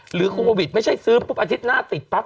โควิดไม่ใช่ซื้อปุ๊บอาทิตย์หน้าติดปั๊บ